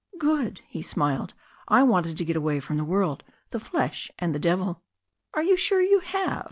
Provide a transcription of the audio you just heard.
"Good," he smiled, "I wanted to get away from the world, the flesh, and the devil ^" "Are you sure you have?"